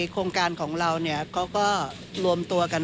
เป็นน้มอย่างนี้แต่นั้น